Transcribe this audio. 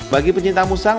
bagi pencinta musang